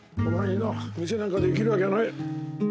お前にな店なんかできるわけない。